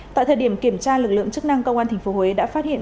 tại thời điểm kiểm tra lực lượng chức năng công an tp huế đã phát hiện